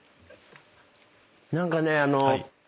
何かねあの。